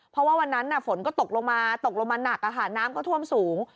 เพราะว่าวันนั้นฝนก็ตกลงมาตกลงมาหนักน้ำก็ท่วมสูง